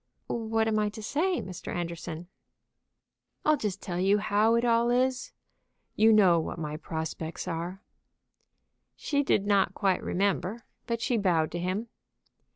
"What am I to say, Mr. Anderson?" "I'll just tell you how it all is. You know what my prospects are." She did not quite remember, but she bowed to him.